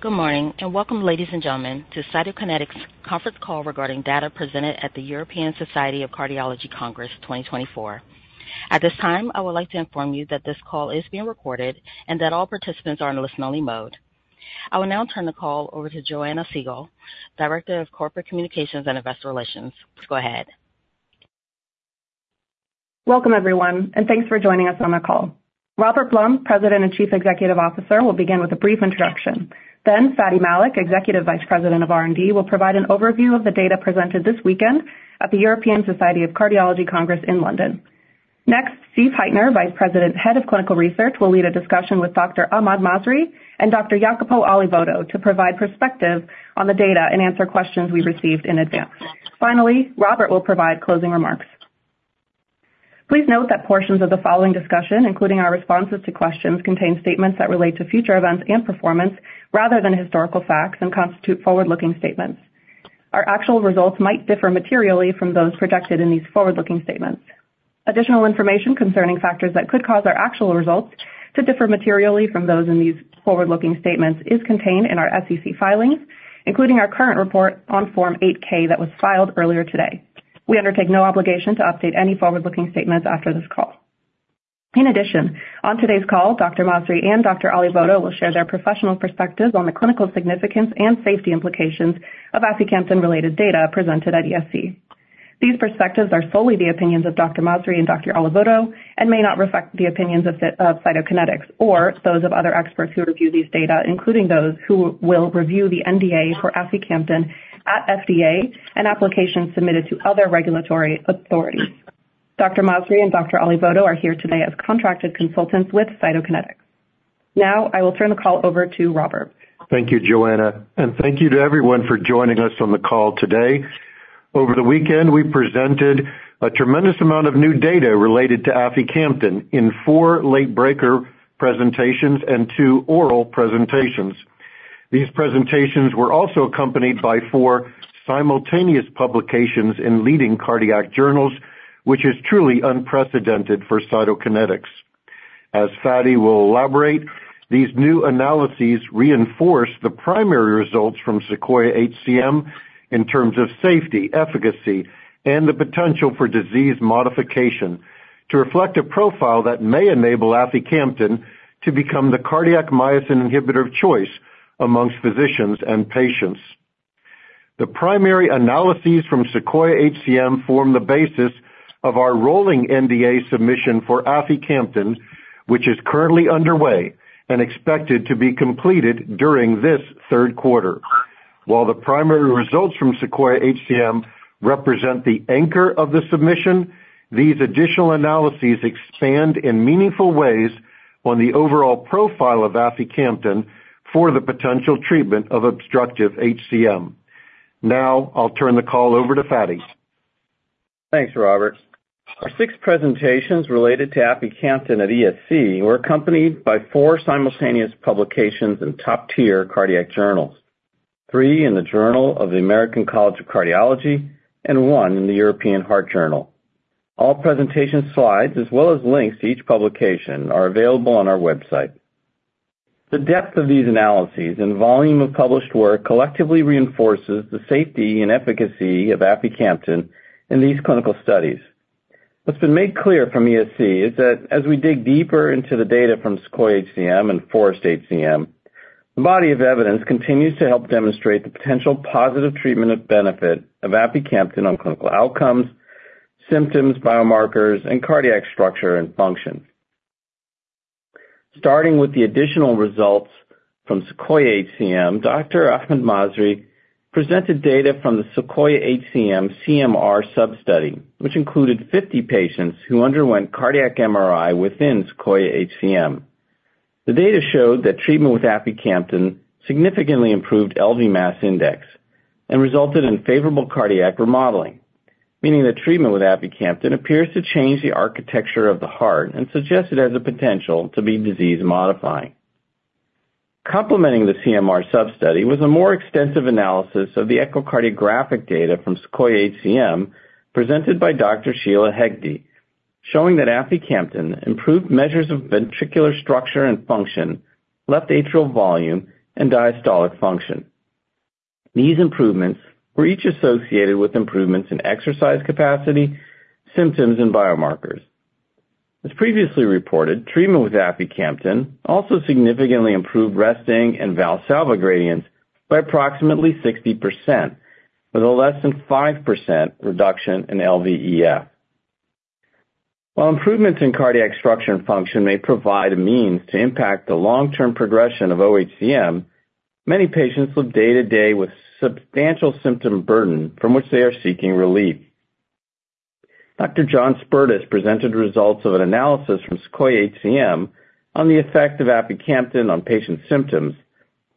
Good morning, and welcome, ladies and gentlemen, to Cytokinetics' conference call regarding data presented at the European Society of Cardiology Congress 2024. At this time, I would like to inform you that this call is being recorded and that all participants are in listen-only mode. I will now turn the call over to Joanna Siegall, Director of Corporate Communications and Investor Relations. Please go ahead. Welcome, everyone, and thanks for joining us on the call. Robert Blum, President and Chief Executive Officer, will begin with a brief introduction. Then Fady Malik, Executive Vice President of R&D, will provide an overview of the data presented this weekend at the European Society of Cardiology Congress in London. Next, Steve Heitner, Vice President, Head of Clinical Research, will lead a discussion with Dr. Ahmad Masri and Dr. Iacopo Olivotto to provide perspective on the data and answer questions we received in advance. Finally, Robert will provide closing remarks. Please note that portions of the following discussion, including our responses to questions, contain statements that relate to future events and performance rather than historical facts and constitute forward-looking statements. Our actual results might differ materially from those projected in these forward-looking statements. Additional information concerning factors that could cause our actual results to differ materially from those in these forward-looking statements is contained in our SEC filings, including our current report on Form 8-K that was filed earlier today. We undertake no obligation to update any forward-looking statements after this call. In addition, on today's call, Dr. Masri and Dr. Olivotto will share their professional perspectives on the clinical significance and safety implications of aficamten-related data presented at ESC. These perspectives are solely the opinions of Dr. Masri and Dr. Olivotto and may not reflect the opinions of Cytokinetics or those of other experts who review these data, including those who will review the NDA for aficamten at FDA and applications submitted to other regulatory authorities. Dr. Masri and Dr. Olivotto are here today as contracted consultants with Cytokinetics. Now, I will turn the call over to Robert. Thank you, Joanna, and thank you to everyone for joining us on the call today. Over the weekend, we presented a tremendous amount of new data related to aficamten in four late-breaker presentations and two oral presentations. These presentations were also accompanied by four simultaneous publications in leading cardiac journals, which is truly unprecedented for Cytokinetics. As Fady will elaborate, these new analyses reinforce the primary results from SEQUOIA-HCM in terms of safety, efficacy, and the potential for disease modification to reflect a profile that may enable aficamten to become the cardiac myosin inhibitor of choice among physicians and patients. The primary analyses from SEQUOIA-HCM form the basis of our rolling NDA submission for aficamten, which is currently underway and expected to be completed during this third quarter. While the primary results from SEQUOIA-HCM represent the anchor of the submission, these additional analyses expand in meaningful ways on the overall profile of aficamten for the potential treatment of obstructive HCM. Now, I'll turn the call over to Fady. Thanks, Robert. Our six presentations related to aficamten at ESC were accompanied by four simultaneous publications in top-tier cardiac journals, three in the Journal of the American College of Cardiology and one in the European Heart Journal. All presentation slides, as well as links to each publication, are available on our website. The depth of these analyses and volume of published work collectively reinforces the safety and efficacy of aficamten in these clinical studies. What's been made clear from ESC is that as we dig deeper into the data from SEQUOIA-HCM and FOREST-HCM, the body of evidence continues to help demonstrate the potential positive treatment of benefit of aficamten on clinical outcomes, symptoms, biomarkers, and cardiac structure and function. Starting with the additional results from SEQUOIA-HCM, Dr. Ahmad Masri presented data from the SEQUOIA-HCM CMR substudy, which included 50 patients who underwent cardiac MRI within SEQUOIA-HCM. The data showed that treatment with aficamten significantly improved LV mass index and resulted in favorable cardiac remodeling, meaning that treatment with aficamten appears to change the architecture of the heart and suggests it has the potential to be disease-modifying. Complementing the CMR substudy was a more extensive analysis of the echocardiographic data from SEQUOIA-HCM, presented by Dr. Sheila Hegde, showing that aficamten improved measures of ventricular structure and function, left atrial volume, and diastolic function. These improvements were each associated with improvements in exercise capacity, symptoms, and biomarkers. As previously reported, treatment with aficamten also significantly improved resting and Valsalva gradients by approximately 60%, with a less than 5% reduction in LVEF. While improvements in cardiac structure and function may provide a means to impact the long-term progression of OHCM, many patients live day to day with substantial symptom burden from which they are seeking relief. Dr. John Spertus presented results of an analysis from SEQUOIA-HCM on the effect of aficamten on patient symptoms,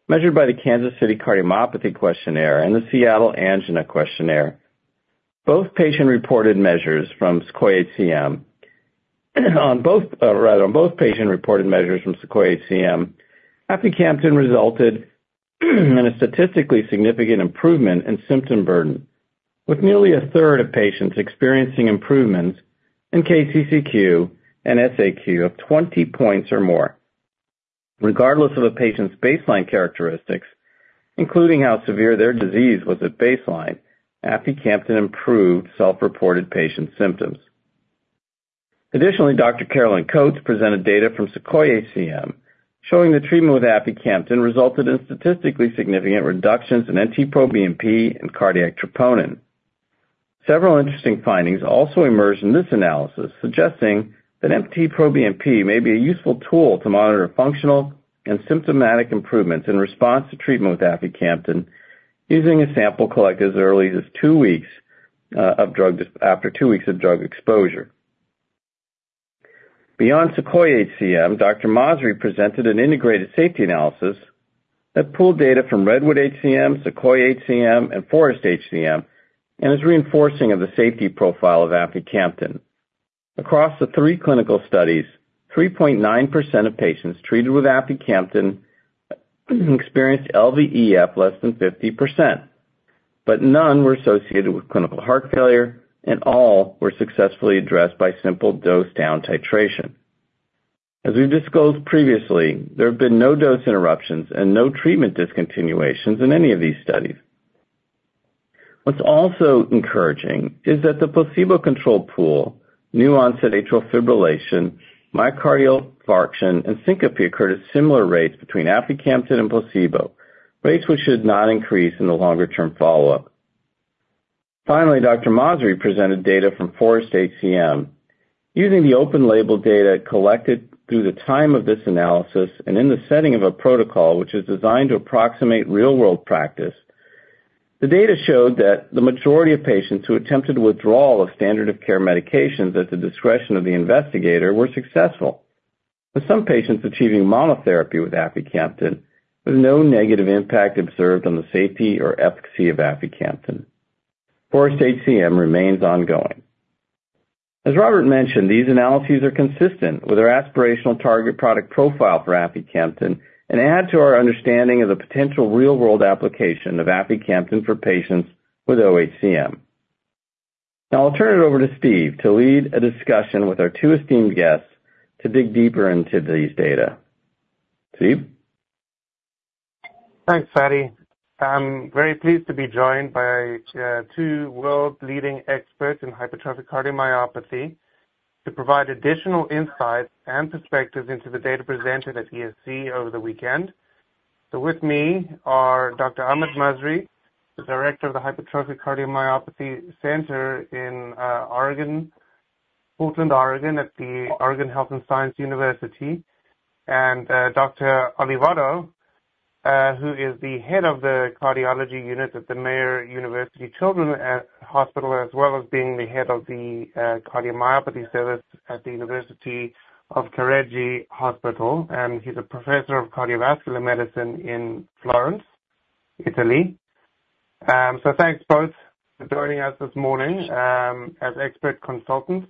measured by the Kansas City Cardiomyopathy Questionnaire and the Seattle Angina Questionnaire. Both patient-reported measures from SEQUOIA-HCM. On both patient-reported measures from SEQUOIA-HCM, aficamten resulted in a statistically significant improvement in symptom burden. With nearly 1/3 of patients experiencing improvements in KCCQ and SAQ of 20 points or more. Regardless of a patient's baseline characteristics, including how severe their disease was at baseline, aficamten improved self-reported patient symptoms. Additionally, Dr. Caroline Coats presented data from SEQUOIA-HCM, showing the treatment with aficamten resulted in statistically significant reductions in NT-proBNP and cardiac troponin. Several interesting findings also emerged in this analysis, suggesting that NT-proBNP may be a useful tool to monitor functional and symptomatic improvements in response to treatment with aficamten, using a sample collected as early as two weeks of drug exposure. Beyond SEQUOIA-HCM, Dr. Masri presented an integrated safety analysis that pooled data from REDWOOD-HCM, SEQUOIA-HCM, and FOREST-HCM, and is reinforcing of the safety profile of aficamten. Across the three clinical studies, 3.9% of patients treated with aficamten experienced LVEF less than 50%, but none were associated with clinical heart failure, and all were successfully addressed by simple dose-down titration. As we've disclosed previously, there have been no dose interruptions and no treatment discontinuations in any of these studies. What's also encouraging is that the placebo-controlled pool, new onset atrial fibrillation, myocardial infarction, and syncope occurred at similar rates between aficamten and placebo, rates which should not increase in the longer-term follow-up. Finally, Dr. Masri presented data from FOREST-HCM. Using the open label data collected through the time of this analysis and in the setting of a protocol, which is designed to approximate real-world practice, the data showed that the majority of patients who attempted withdrawal of standard of care medications at the discretion of the investigator were successful, with some patients achieving monotherapy with aficamten, with no negative impact observed on the safety or efficacy of aficamten. FOREST-HCM remains ongoing. As Robert mentioned, these analyses are consistent with our aspirational target product profile for aficamten and add to our understanding of the potential real-world application of aficamten for patients with OHCM. Now I'll turn it over to Steve to lead a discussion with our two esteemed guests to dig deeper into these data. Steve? Thanks, Fady. I'm very pleased to be joined by two world-leading experts in hypertrophic cardiomyopathy to provide additional insights and perspectives into the data presented at ESC over the weekend. So with me are Dr. Ahmad Masri, the director of the Hypertrophic Cardiomyopathy Center in Portland, Oregon, at the Oregon Health & Science University, and Dr. Olivotto, who is the head of the cardiology unit at the Meyer Children's Hospital, as well as being the head of the cardiomyopathy service at the University of Careggi Hospital, and he's a professor of cardiovascular medicine in Florence, Italy. So thanks both for joining us this morning as expert consultants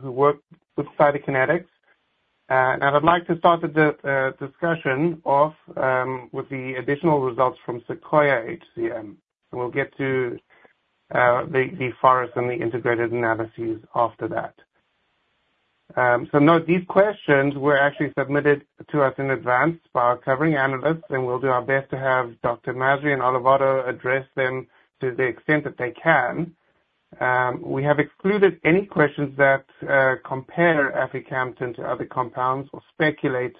who work with Cytokinetics. And I'd like to start the discussion off with the additional results from SEQUOIA-HCM. We'll get to the FOREST and the integrated analyses after that. Note these questions were actually submitted to us in advance by our covering analysts, and we'll do our best to have Dr. Masri and Olivotto address them to the extent that they can. We have excluded any questions that compare aficamten to other compounds or speculate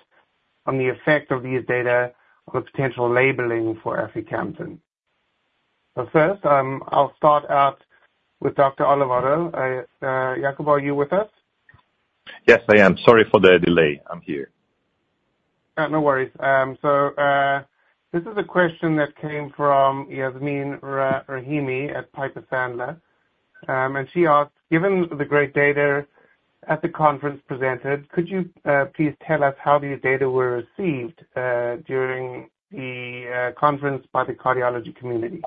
on the effect of these data or potential labeling for aficamten. First, I'll start out with Dr. Olivotto. Iacopo, are you with us? Yes, I am. Sorry for the delay. I'm here. No worries, so this is a question that came from Yasmeen Rahimi at Piper Sandler, and she asked: Given the great data at the conference presented, could you please tell us how these data were received during the conference by the cardiology community?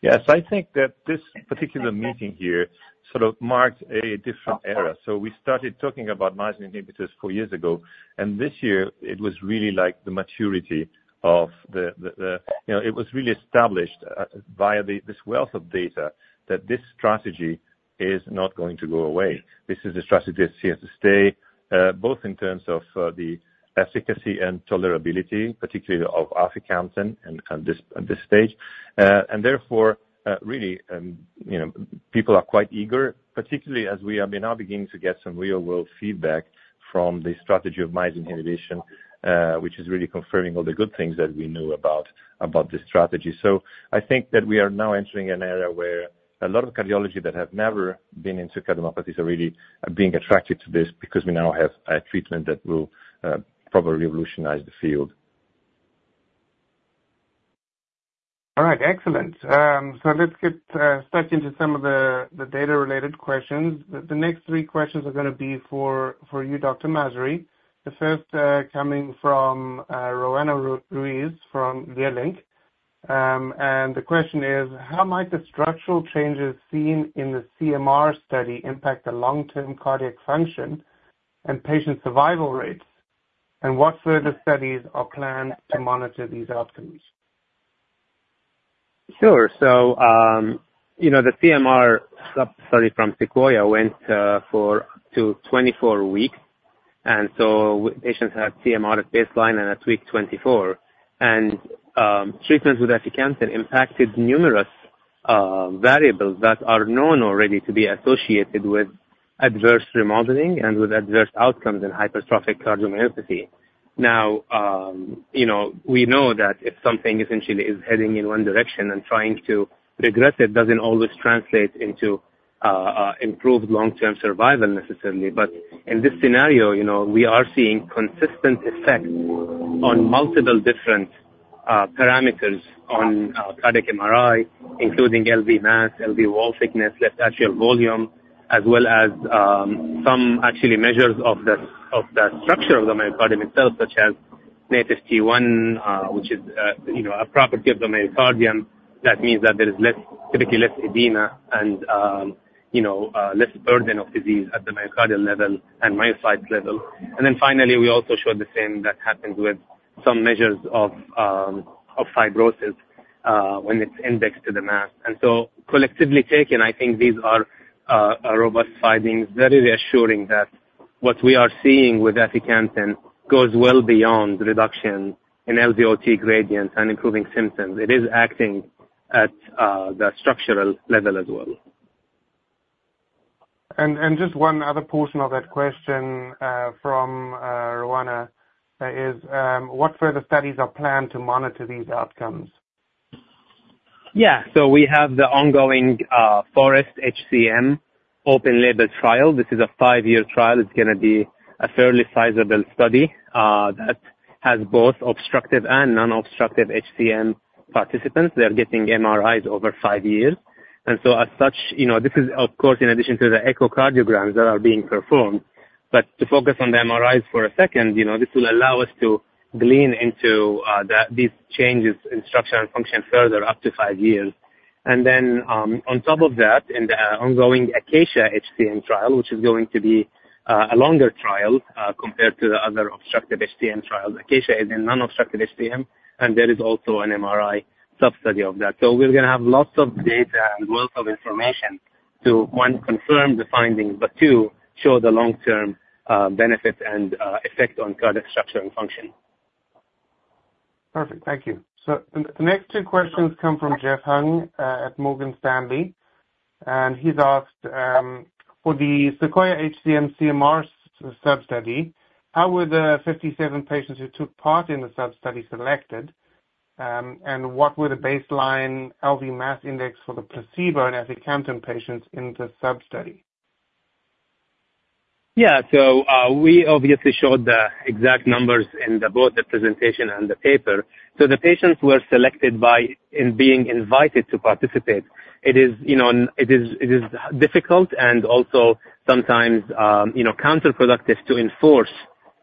Yes, I think that this particular meeting here sort of marked a different era. So we started talking about myosin inhibitors four years ago, and this year it was really like the maturity of the. It was really established via this wealth of data that this strategy is not going to go away. This is a strategy that's here to stay, both in terms of the efficacy and tolerability, particularly of aficamten, and at this stage. And therefore, really, people are quite eager, particularly as we are now beginning to get some real-world feedback from the strategy of myosin inhibition, which is really confirming all the good things that we know about this strategy. So I think that we are now entering an era where a lot of cardiologists that have never been into cardiomyopathies are really being attracted to this because we now have a treatment that will probably revolutionize the field. All right, excellent. So let's get stuck into some of the data-related questions. The next three questions are gonna be for you, Dr. Masri. The first coming from Roanna Ruiz from Leerink Partners. And the question is: How might the structural changes seen in the CMR study impact the long-term cardiac function and patient survival rates? And what further studies are planned to monitor these outcomes? Sure. So, the CMR sub-study from SEQUOIA-HCM went for to 24 weeks, and so patients had CMR at baseline and at week 24. And, treatment with aficamten impacted numerous, variables that are known already to be associated with adverse remodeling and with adverse outcomes in hypertrophic cardiomyopathy. Now we know that if something essentially is heading in one direction and trying to regress, it doesn't always translate into, improved long-term survival necessarily. But in this scenario we are seeing consistent effects on multiple different parameters on cardiac MRI, including LV mass, LV wall thickness, left atrial volume, as well as some actually measures of the structure of the myocardium itself, such as native T1, which is a property of the myocardium. That means that there is typically less edema and less burden of disease at the myocardial level and myocyte level. And then finally, we also showed the same that happened with some measures of fibrosis, when it's indexed to the mass. And so collectively taken, I think these are robust findings, really reassuring that what we are seeing with aficamten goes well beyond the reduction in LVOT gradients and improving symptoms. It is acting at the structural level as well. Just one other portion of that question from Roanna is what further studies are planned to monitor these outcomes? Yeah. So we have the ongoing FOREST-HCM open label trial. This is a five-year trial. It's gonna be a fairly sizable study that has both obstructive and non-obstructive HCM participants. They're getting MRIs over five years. And so as such, this is of course, in addition to the echocardiograms that are being performed. But to focus on the MRIs for a second, this will allow us to glean into these changes in structure and function further up to five years. And then, on top of that, in the ongoing ACACIA HCM trial, which is going to be a longer trial compared to the other obstructive HCM trial. ACACIA is a non-obstructive HCM, and there is also an MRI sub-study of that. So we're gonna have lots of data and wealth of information to, one, confirm the findings, but two, show the long-term benefits and effect on cardiac structure and function. Perfect. Thank you. So the next two questions come from Jeff Hung at Morgan Stanley. And he's asked: For the SEQUOIA-HCM CMR sub-study, how were the 57 patients who took part in the sub-study selected? And what were the baseline LV mass index for the placebo and aficamten patients in the sub-study? Yeah. So, we obviously showed the exact numbers in both the presentation and the paper. So the patients were selected by being invited to participate. It is difficult and also sometimes counterproductive to enforce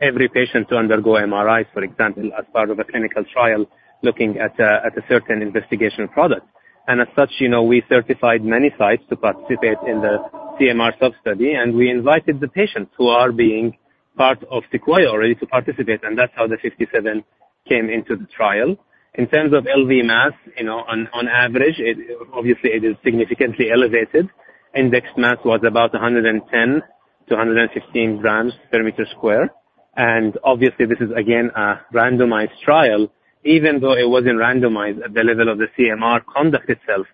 every patient to undergo MRIs, for example, as part of a clinical trial, looking at a certain investigational product. And as such, we certified many sites to participate in the CMR sub-study, and we invited the patients who are being part of SEQUOIA-HCM already to participate, and that's how the 57 came into the trial. In terms of LV mass, on average, it obviously is significantly elevated. Index mass was about 110g-115g per square meter. And obviously, this is again a randomized trial, even though it wasn't randomized at the level of the CMR conduct itself.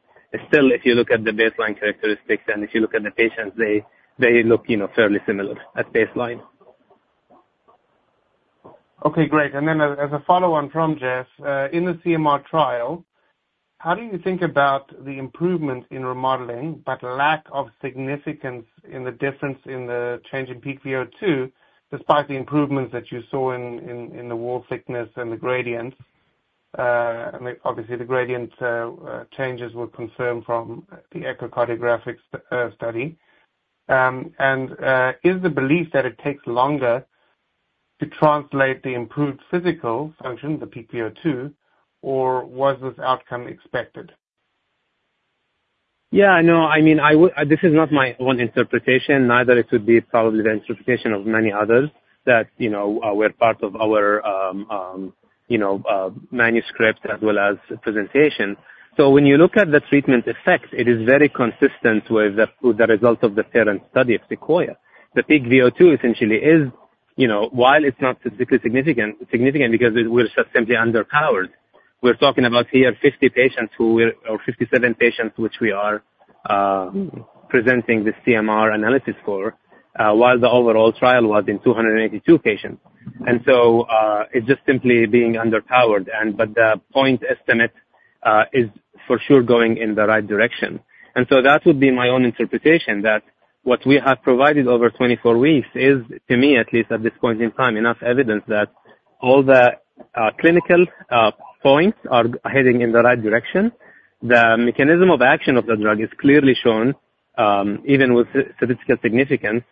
Still, if you look at the baseline characteristics and if you look at the patients, they look fairly similar at baseline. Okay, great. And then as a follow-on from Jeff, In the CMR trial, how do you think about the improvement in remodeling, but lack of significance in the difference in the change in peak VO2, despite the improvements that you saw in the wall thickness and the gradient? Obviously, the gradient changes were confirmed from the echocardiographic study. And is the belief that it takes longer to translate the improved physical function, the peak VO2, or was this outcome expected? Yeah, I know. I mean, I would. This is not my own interpretation. Neither it would be probably the interpretation of many others that were part of our manuscript as well as presentation. So when you look at the treatment effects, it is very consistent with the results of the parent study of SEQUOIA. The peak VO2 essentially is, while it's not statistically significant because it was just simply underpowered. We're talking about here 50 patients or 57 patients, which we are presenting this CMR analysis for, while the overall trial was in 282 patients. And so, it's just simply being underpowered but the point estimate is for sure going in the right direction. So that would be my own interpretation, that what we have provided over twenty-four weeks is, to me, at least at this point in time, enough evidence that all the clinical points are heading in the right direction. The mechanism of action of the drug is clearly shown, even with statistical significance,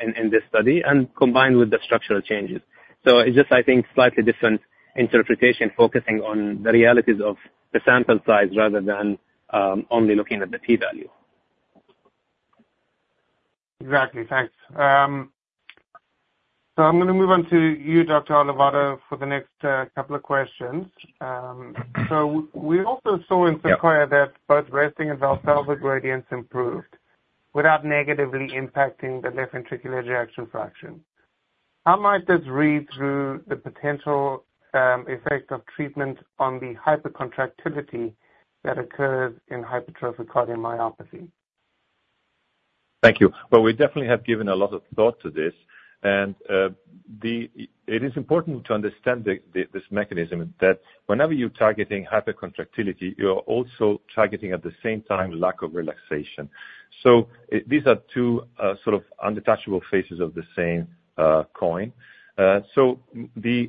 in this study and combined with the structural changes. So it's just slightly different interpretation, focusing on the realities of the sample size rather than only looking at the p-value. Exactly. Thanks. So I'm gonna move on to you, Dr. Olivotto, for the next couple of questions. So we also saw in Sequoia that both resting and Valsalva gradients improved without negatively impacting the left ventricular ejection fraction. How might this read through the potential effect of treatment on the hypercontractility that occurs in hypertrophic cardiomyopathy? Thank you. We definitely have given a lot of thought to this, and it is important to understand this mechanism, that whenever you're targeting hypercontractility, you are also targeting, at the same time, lack of relaxation. These are two sort of inseparable faces of the same coin. The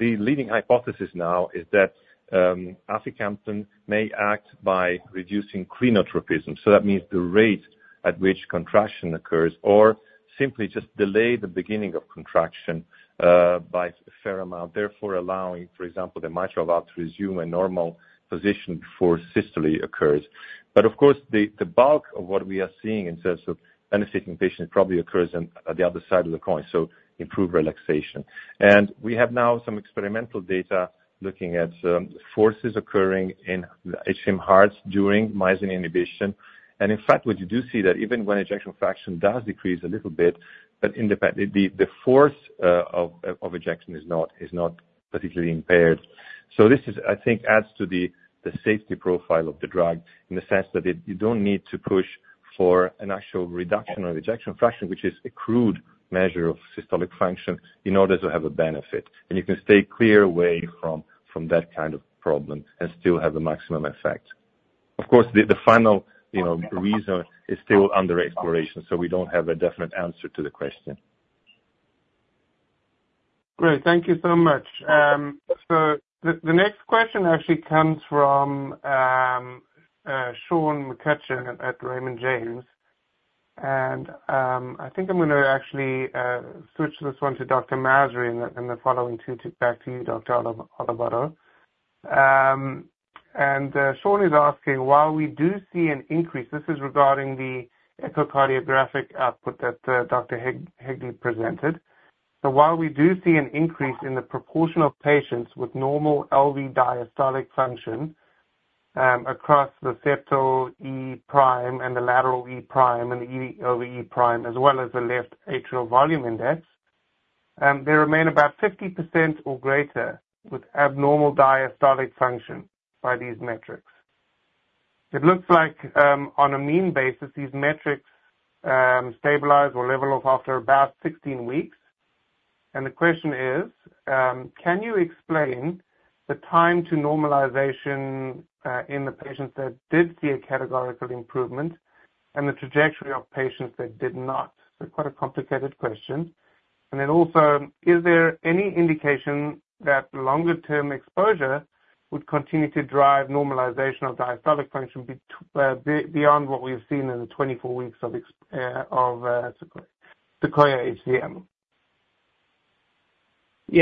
leading hypothesis now is that aficamten may act by reducing chronotropism, so that means the rate at which contraction occurs, or simply just delay the beginning of contraction by a fair amount, therefore allowing, for example, the mitral valve to resume a normal position before systole occurs. But of course, the bulk of what we are seeing in terms of asymptomatic patient probably occurs on the other side of the coin, so improved relaxation. We have now some experimental data looking at forces occurring in HCM hearts during myosin inhibition. In fact, what you do see that even when ejection fraction does decrease a little bit, but in the the force of ejection is not particularly impaired. This is, I think, adds to the safety profile of the drug, in the sense that you don't need to push for an actual reduction of ejection fraction, which is a crude measure of systolic function, in order to have a benefit. You can stay clear away from that kind of problem and still have the maximum effect. Of course, the final reason is still under exploration, so we don't have a definite answer to the question. Great. Thank you so much. So the next question actually comes from Sean McCutcheon at Raymond James. And I think I'm going to actually switch this one to Dr. Masri, and the following two to back to you, Dr. Olivotto. And Sean is asking, while we do see an increase, this is regarding the echocardiographic output that Dr. Hegde presented. So while we do see an increase in the proportion of patients with normal LV diastolic function, across the septal E prime and the lateral E prime and the E over E prime, as well as the left atrial volume index, they remain about 50% or greater with abnormal diastolic function by these metrics. It looks like, on a mean basis, these metrics stabilize or level off after about 16 weeks. And the question is: Can you explain the time to normalization in the patients that did see a categorical improvement and the trajectory of patients that did not? So quite a complicated question. And then also, is there any indication that longer-term exposure would continue to drive normalization of diastolic function beyond what we've seen in the 24 weeks of SEQUOIA-HCM?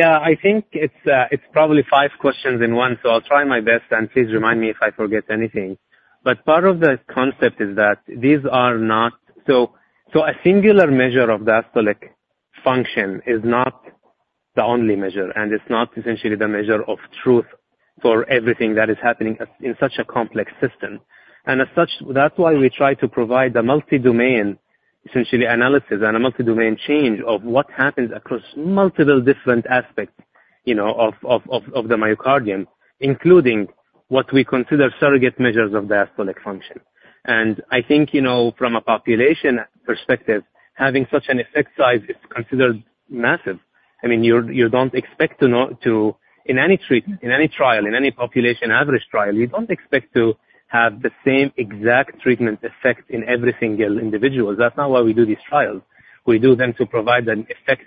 Yeah, I think it's probably five questions in one, so I'll try my best, and please remind me if I forget anything. But part of the concept is that these are not. So a singular measure of diastolic function is not the only measure, and it's not essentially the measure of truth for everything that is happening at, in such a complex system. And as such, that's why we try to provide a multi-domain, essentially, analysis and a multi-domain change of what happens across multiple different aspects of the myocardium, including what we consider surrogate measures of diastolic function. And I think from a population perspective, having such an effect size is considered massive. I mean, you don't expect to know to. In any treatment, in any trial, in any population-average trial, you don't expect to have the same exact treatment effect in every single individual. That's not why we do these trials. We do them to provide an effect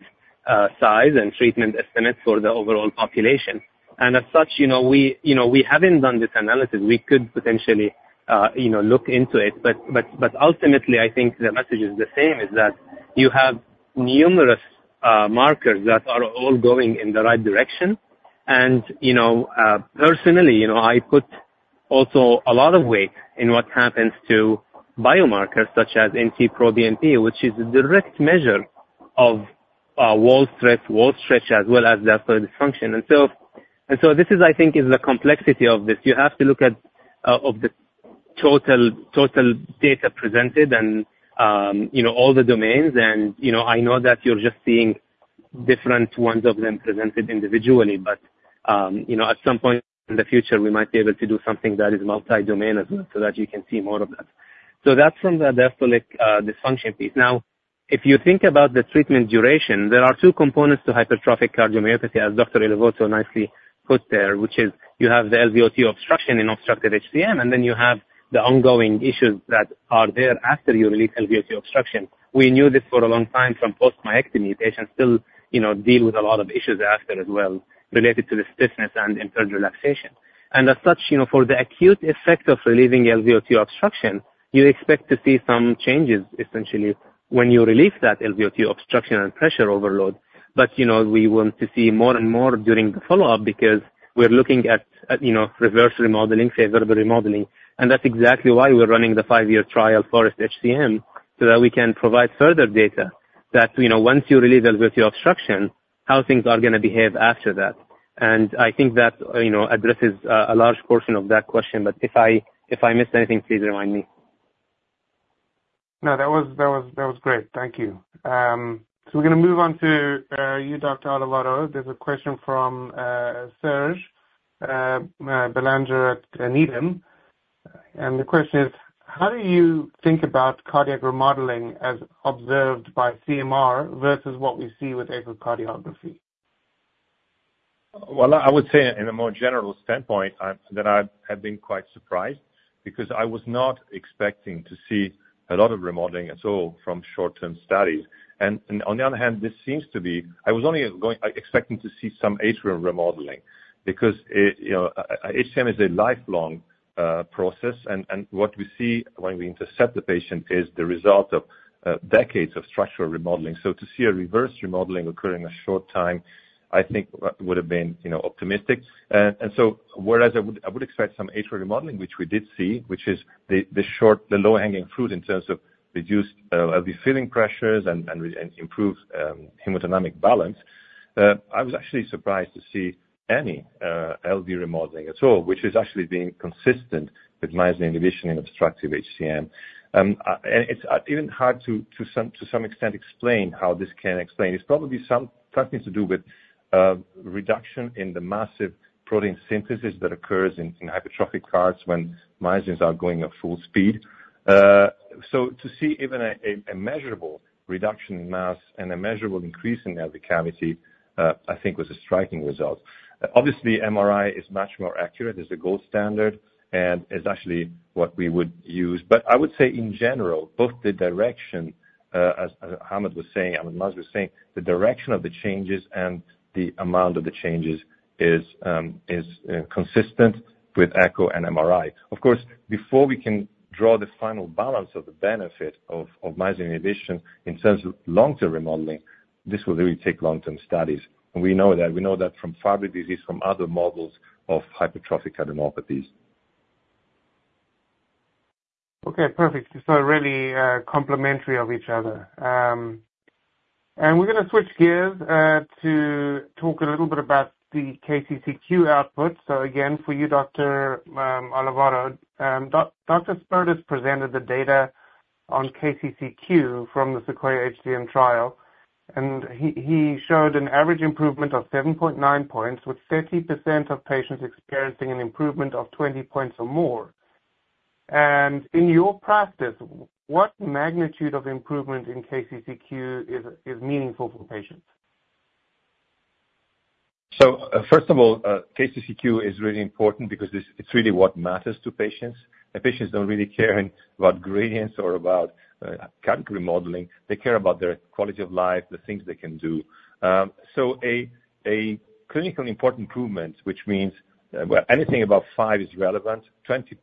size and treatment estimate for the overall population. And as such, we haven't done this analysis. We could potentially look into it, but ultimately, I think the message is the same, is that you have numerous markers that are all going in the right direction. And personally, I put also a lot of weight in what happens to biomarkers such as NT-proBNP, which is a direct measure of wall stress, wall stretch, as well as diastolic function. This is, I think, the complexity of this. You have to look at the total data presented and all the domains. I know that you are just seeing different ones of them presented individually, but at some point in the future, we might be able to do something that is multi-domain as well, so that you can see more of that. That is from the diastolic dysfunction piece. Now, if you think about the treatment duration, there are two components to hypertrophic cardiomyopathy, as Dr. Olivotto nicely put there, which is you have the LVOT obstruction in obstructed HCM, and then you have the ongoing issues that are there after you release LVOT obstruction. We knew this for a long time from post myectomy. Patients still deal with a lot of issues after as well, related to the stiffness and impaired relaxation. And as such, for the acute effect of relieving LVOT obstruction, you expect to see some changes, essentially, when you relieve that LVOT obstruction and pressure overload but we want to see more and more during the follow-up because we're looking at reverse remodeling, favorable remodeling and that's exactly why we're running the five-year trial FOREST-HCM, so that we can provide further data, that, you know, once you relieve the obstruction, how things are gonna behave after that. And I think that addresses a large portion of that question, but if I missed anything, please remind me. No, that was great. Thank you. So we're gonna move on to you, Dr. Olivotto. There's a question from Serge Belanger at Needham. And the question is: How do you think about cardiac remodeling as observed by CMR versus what we see with echocardiography? I would say in a more general standpoint that I have been quite surprised because I was not expecting to see a lot of remodeling at all from short-term studies. On the other hand, this seems to be. I was only expecting to see some atrial remodeling because you know HCM is a lifelong process and what we see when we intervene the patient is the result of decades of structural remodeling. To see a reverse remodeling occur in a short time, I think would have been you know optimistic. Whereas I would expect some atrial remodeling which we did see which is the low-hanging fruit in terms of reduced LV filling pressures and improved hemodynamic balance. I was actually surprised to see any LV remodeling at all, which is actually being consistent with myosin inhibition in obstructive HCM. And it's even hard to some extent how this can explain. It's probably something to do with reduction in the massive protein synthesis that occurs in hypertrophic hearts when myosins are going at full speed. So to see even a measurable reduction in mass and a measurable increase in the cavity, I think was a striking result. Obviously, MRI is much more accurate, it's the gold standard, and is actually what we would use. I would say in general, both the direction, as Ahmad was saying, Dr. Masri was saying, the direction of the changes and the amount of the changes is consistent with echo and MRI. Of course, before we can draw the final balance of the benefit of myosin inhibition in terms of long-term remodeling, this will really take long-term studies. And we know that. We know that from Fabry disease, from other models of hypertrophic cardiomyopathies. Okay, perfect. So really, complementary of each other. And we're gonna switch gears to talk a little bit about the KCCQ output. So again, for you, Dr. Olivotto, Dr. Spertus presented the data on KCCQ from the SEQUOIA-HCM trial, and he showed an average improvement of 7.9 points, with 30% of patients experiencing an improvement of 20 points or more. And in your practice, what magnitude of improvement in KCCQ is meaningful for patients? First of all, KCCQ is really important because it's really what matters to patients. The patients don't really care about gradients or about category modeling. They care about their quality of life, the things they can do. A clinically important improvement, which means, well, anything above five is relevant. 20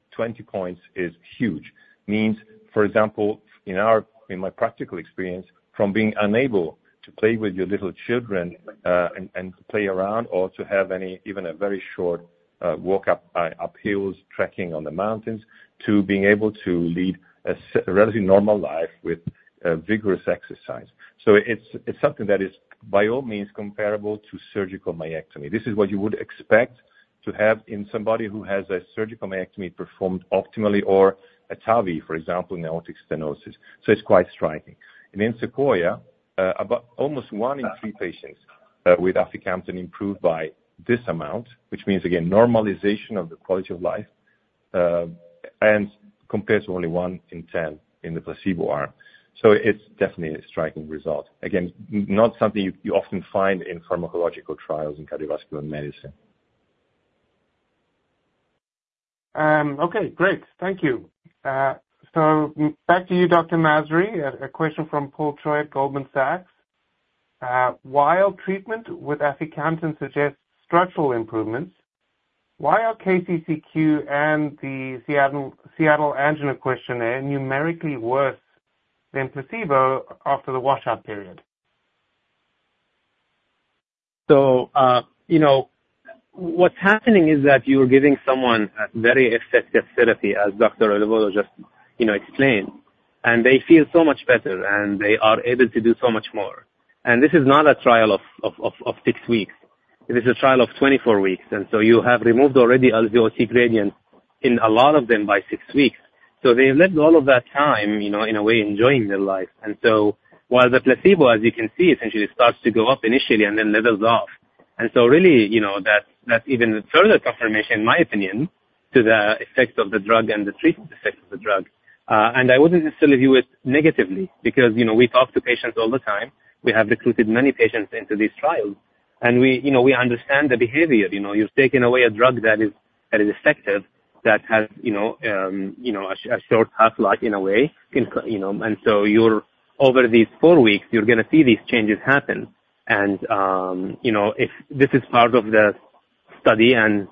points is huge. It means, for example, in my practical experience, from being unable to play with your little children and play around, or to have any, even a very short walk up hills, trekking on the mountains, to being able to lead a relatively normal life with vigorous exercise. It's something that is, by all means, comparable to surgical myectomy. This is what you would expect to have in somebody who has a surgical myectomy performed optimally or a TAVI, for example, in aortic stenosis, so it's quite striking and in SEQUOIA, about almost one in three patients with aficamten improved by this amount, which means, again, normalization of the quality of life, and compares to only one in ten in the placebo arm, so it's definitely a striking result. Again, not something you often find in pharmacological trials in cardiovascular medicine. Okay, great. Thank you. So back to you, Dr. Masri, a question from Paul Choi at Goldman Sachs. While treatment with aficamten suggests structural improvements, why are KCCQ and the Seattle Angina Questionnaire numerically worse than placebo after the washout period? So, what's happening is that you're giving someone a very effective therapy, as Dr. Olivotto just explained, and they feel so much better, and they are able to do so much more. And this is not a trial of six weeks. It is a trial of 24 weeks, and so you have removed already LVOT gradient in a lot of them by six weeks. So they lived all of that time in a way, enjoying their life. And so while the placebo, as you can see, essentially starts to go up initially and then levels off. And so really, that's even a further confirmation, in my opinion, to the effects of the drug and the treatment effects of the drug. And I wouldn't necessarily view it negatively, because, we talk to patients all the time. We have recruited many patients into these trials, and we understand the behavior. You've taken away a drug that is effective, that has a short half-life in a way. So you're over these four weeks, you're gonna see these changes happen. And if this is part of the study and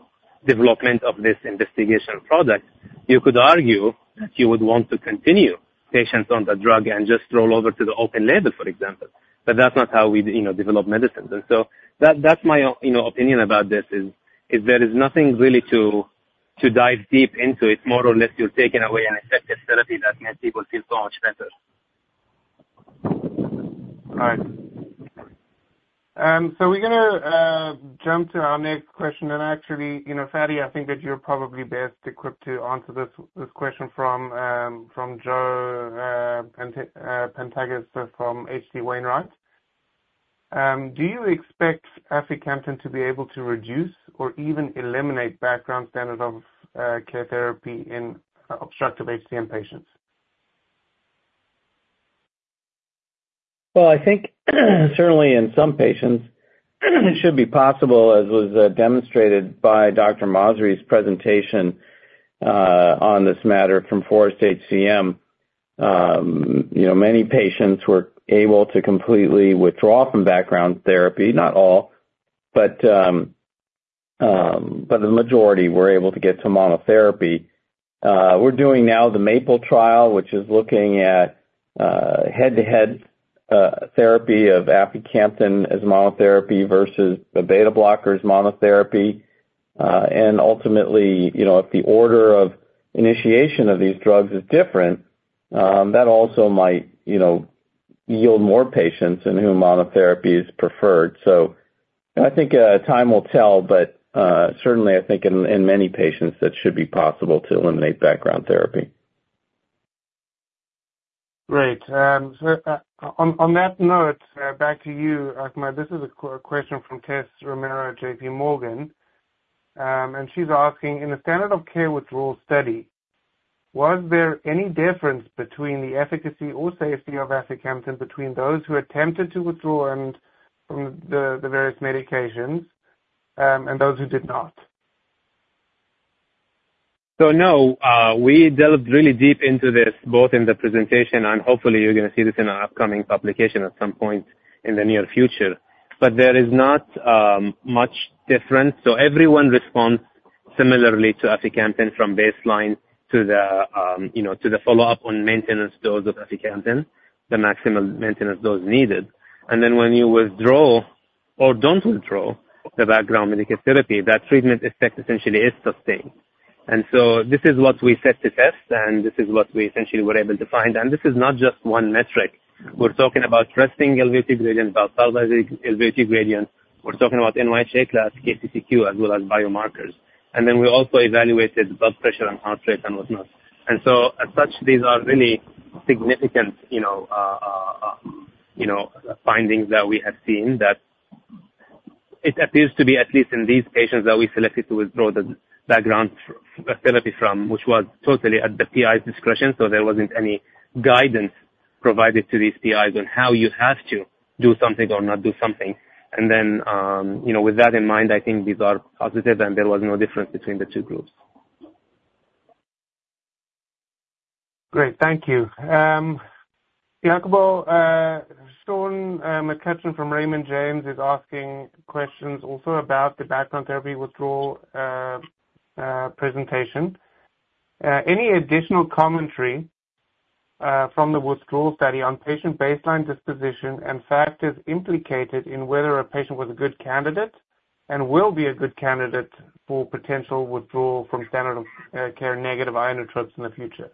development of this investigational product, you could argue that you would want to continue patients on the drug and just roll over to the open-label, for example. But that's not how we develop medicines. And so that, that's my opinion about this, there is nothing really to dive deep into it. More or less, you're taking away an effective therapy that makes people feel so much better. All right. So we're gonna jump to our next question. And actually, Fady, I think that you're probably best equipped to answer this question from Joe Pantginis from H.C. Wainwright. Do you expect aficamten to be able to reduce or even eliminate background standard of care therapy in obstructive HCM patients? I think certainly in some patients, it should be possible, as was demonstrated by Dr. Masri's presentation on this matter from FOREST-HCM. Many patients were able to completely withdraw from background therapy. Not all, but the majority were able to get to monotherapy. We're doing now the MAPLE-HCM trial, which is looking at head-to-head therapy of aficamten as monotherapy versus the beta blockers monotherapy. And ultimately, if the order of initiation of these drugs is different, that also might yield more patients in whom monotherapy is preferred. So I think time will tell, but certainly I think in many patients, that should be possible to eliminate background therapy. Great. So, on that note, back to you, Ahmad. This is a question from Tess Romero at J.P. Morgan. And she's asking: In the standard of care withdrawal study, was there any difference between the efficacy or safety of aficamten between those who attempted to withdraw from the various medications, and those who did not? So no, we delved really deep into this, both in the presentation, and hopefully you're going to see this in an upcoming publication at some point in the near future. But there is not much difference. So everyone responds similarly to aficamten from baseline to the follow-up on maintenance dose of aficamten, the maximum maintenance dose needed. And then when you withdraw or don't withdraw the background therapy, that treatment effect essentially is sustained. And so this is what we set to test, and this is what we essentially were able to find. And this is not just one metric. We're talking about resting LVOT gradient, about pulse LVOT gradient. We're talking about NYHA class, KCCQ as well as biomarkers. And then we also evaluated blood pressure and heart rate and whatnot. And so as such, these are really significant findings that we have seen, that it appears to be, at least in these patients, that we selected to withdraw the background therapy from, which was totally at the PI's discretion, so there wasn't any guidance provided to these PIs on how you have to do something or not do something. And then with that in mind, I think these are positive, and there was no difference between the two groups. Great. Thank you. Iacopo, Sean McCutcheon from Raymond James is asking questions also about the background therapy withdrawal presentation. Any additional commentary from the withdrawal study on patient baseline disposition and factors implicated in whether a patient was a good candidate and will be a good candidate for potential withdrawal from standard of care negative inotropes in the future?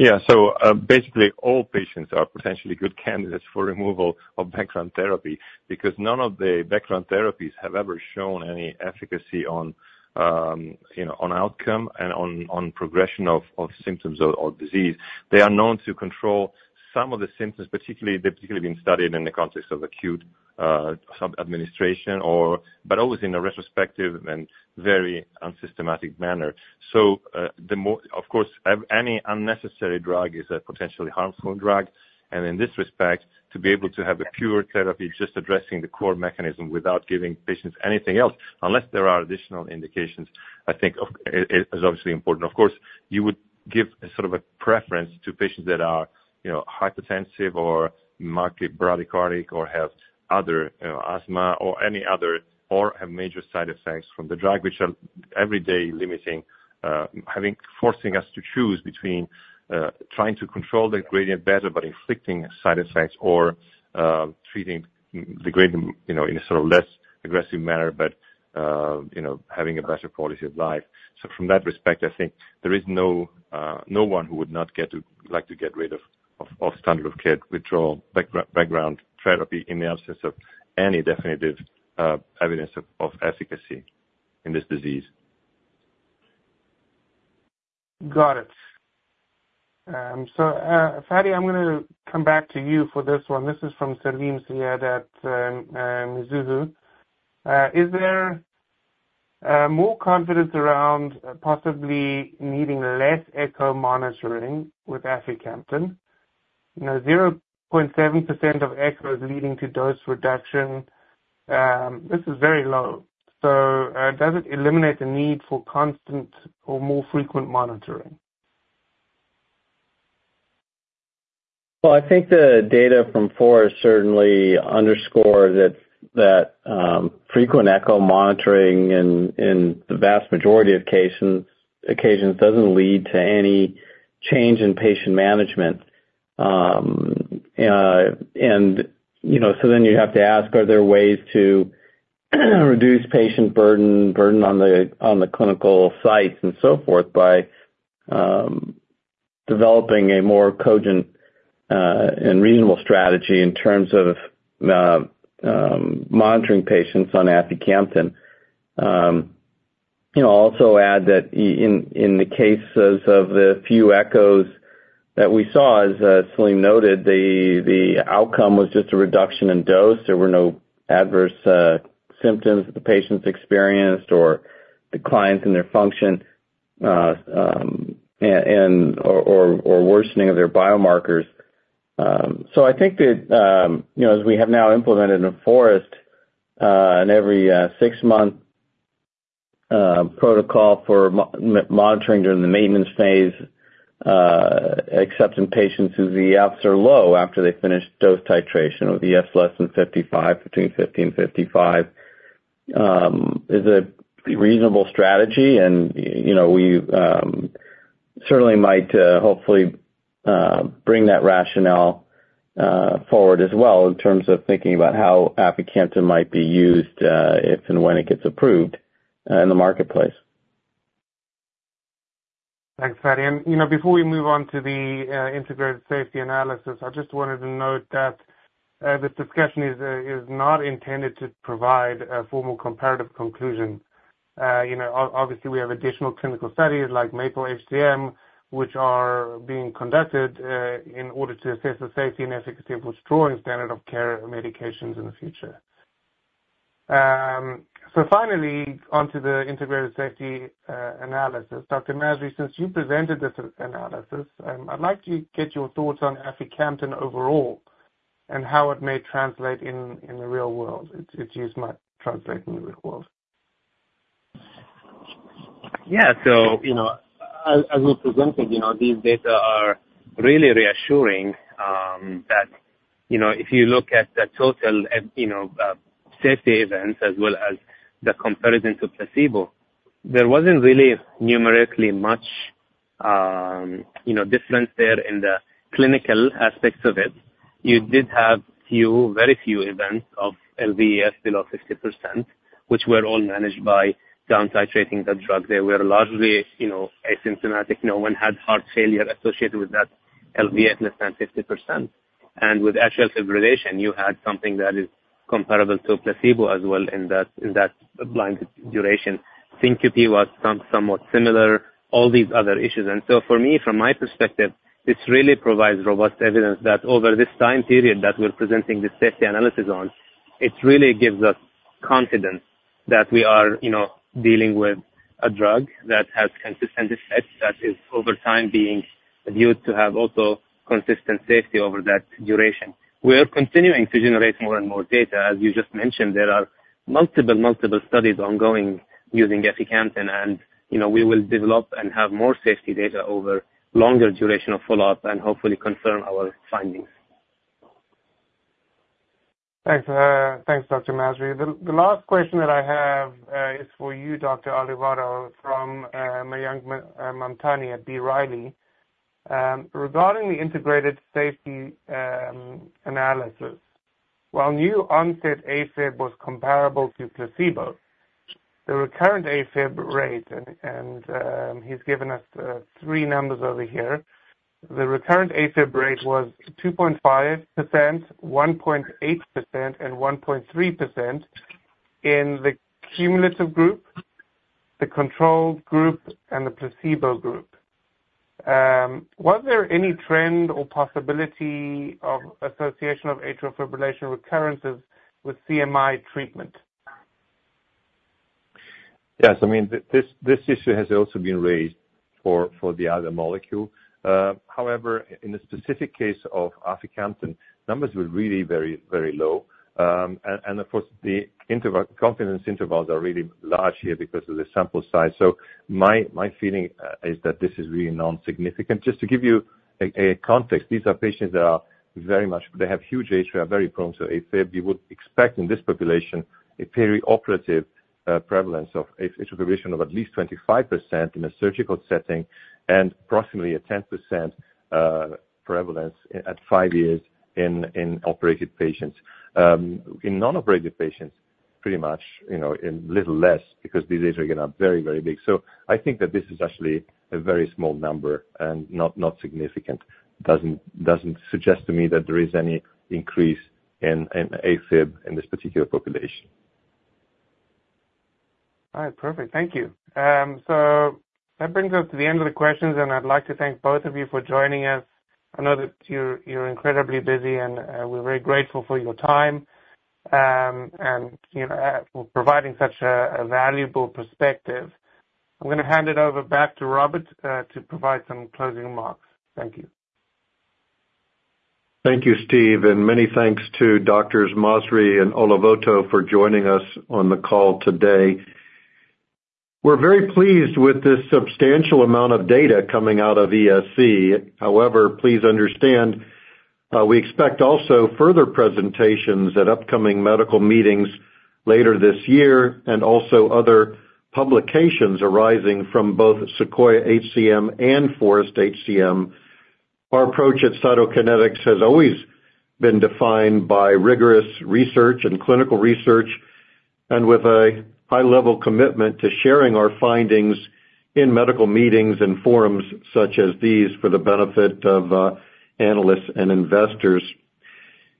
Yeah. So, basically, all patients are potentially good candidates for removal of background therapy because none of the background therapies have ever shown any efficacy on outcome and on progression of symptoms or disease. They are known to control some of the symptoms, particularly, they've been studied in the context of acute sub administration but always in a retrospective and very unsystematic manner. So, of course, any unnecessary drug is a potentially harmful drug, and in this respect, to be able to have a pure therapy, just addressing the core mechanism without giving patients anything else, unless there are additional indications, I think it is obviously important. Of course, you would give sort of a preference to patients that are hypertensive or markedly bradycardic or have other, asthma or any other, or have major side effects from the drug, which are every day limiting, having, forcing us to choose between, trying to control the gradient better, but inflicting side effects, or, treating the gradient, you know, in a sort of less aggressive manner, but having a better quality of life. So from that respect, I think there is no one who would not like to get rid of standard of care, withdrawal background therapy in the absence of any definitive, evidence of efficacy in this disease. Got it. So, Fady, I'm gonna come back to you for this one. This is from Salim Syed at Mizuho. Is there more confidence around possibly needing less echo monitoring with aficamten? 0.7% of echo is leading to dose reduction. This is very low. So, does it eliminate the need for constant or more frequent monitoring? I think the data from FOREST certainly underscore that frequent echo monitoring in the vast majority of cases or occasions doesn't lead to any change in patient management. So then you have to ask, are there ways to reduce patient burden on the clinical sites and so forth by developing a more cogent and reasonable strategy in terms of monitoring patients on aficamten. I'll also add that in the cases of the few echoes that we saw, as Salim noted, the outcome was just a reduction in dose. There were no adverse symptoms that the patients experienced or declines in their function or worsening of their biomarkers. So I think as we have now implemented in FOREST and every six-month protocol for monitoring during the maintenance phase, except in patients whose EFs are low after they finish dose titration, with EF less than 55, between 50-55, is a reasonable strategy, and we certainly might hopefully bring that rationale forward as well, in terms of thinking about how aficamten might be used, if and when it gets approved, in the marketplace. Thanks, Fady, And before we move on to the integrated safety analysis, I just wanted to note that this discussion is not intended to provide a formal comparative conclusion. Obviously, we have additional clinical studies like MAPLE-HCM, which are being conducted in order to assess the safety and efficacy of withdrawing standard of care medications in the future. So finally, onto the integrated safety analysis. Dr. Masri, since you presented this analysis, I'd like to get your thoughts on aficamten overall, and how it may translate in the real world. It's use might translate in the real world. Yeah. So, as we presented, these data are really reassuring that if you look at the total safety events as well as the comparison to placebo, there wasn't really numerically much difference there in the clinical aspects of it. You did have very few events of LVEF below 50%, which were all managed by down titrating the drug. They were largely asymptomatic. No one had heart failure associated with that LVEF less than 50%. With atrial fibrillation, you had something that is comparable to a placebo as well in that blinded duration. Syncope was somewhat similar, all these other issues. For me, from my perspective, this really provides robust evidence that over this time period that we're presenting this safety analysis on. It really gives us confidence that we are dealing with a drug that has consistent effects, that is over time being viewed to have also consistent safety over that duration. We are continuing to generate more and more data. As you just mentioned, there are multiple studies ongoing using aficamten, and we will develop and have more safety data over longer duration of follow-up and hopefully confirm our findings. Thanks, thanks, Dr. Masri. The last question that I have is for you, Dr. Olivotto, from Mayank Mamtani at B. Riley. Regarding the integrated safety analysis, while new onset AFib was comparable to placebo, the recurrent AFib rate, and he's given us three numbers over here. The recurrent AFib rate was 2.5%, 1.8%, and 1.3% in the cumulative group, the control group, and the placebo group. Was there any trend or possibility of association of atrial fibrillation recurrences with CMI treatment? Yes, I mean, this issue has also been raised for the other molecule. However, in the specific case of aficamten, numbers were really very, very low. And, of course, the confidence intervals are really large here because of the sample size. So my feeling is that this is really non-significant. Just to give you a context, these are patients that are very much. They have huge atria, very prone to AFib. You would expect in this population a peri-operative prevalence of AFib of at least 25% in a surgical setting, and approximately a 10% prevalence at five years in operated patients. In non-operated patients, pretty much a little less, because these are again very, very big. So I think that this is actually a very small number and not significant. Doesn't suggest to me that there is any increase in AFib in this particular population. All right, perfect. Thank you. So that brings us to the end of the questions, and I'd like to thank both of you for joining us. I know that you're incredibly busy, and we're very grateful for your time, and for providing such a valuable perspective. I'm gonna hand it over back to Robert to provide some closing remarks. Thank you. Thank you, Steve, and many thanks to Doctors Masri and Olivotto for joining us on the call today. We're very pleased with this substantial amount of data coming out of ESC. However, please understand, we expect also further presentations at upcoming medical meetings later this year, and also other publications arising from both SEQUOIA-HCM and FOREST-HCM. Our approach at Cytokinetics has always been defined by rigorous research and clinical research, and with a high-level commitment to sharing our findings in medical meetings and forums such as these, for the benefit of, analysts and investors.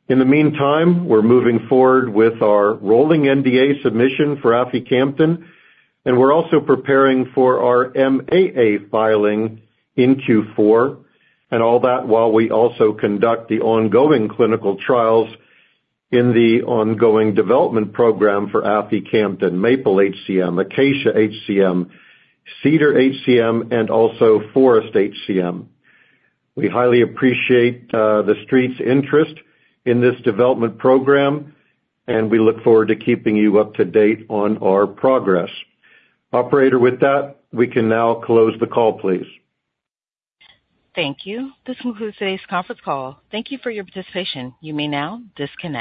In the meantime, we're moving forward with our rolling NDA submission for aficamten, and we're also preparing for our MAA filing in Q4, and all that while we also conduct the ongoing clinical trials in the ongoing development program for aficamten, MAPLE-HCM, ACACIA-HCM, CEDAR-HCM, and also FOREST-HCM. We highly appreciate the street's interest in this development program, and we look forward to keeping you up to date on our progress. Operator, with that, we can now close the call, please. Thank you. This concludes today's conference call. Thank you for your participation. You may now disconnect.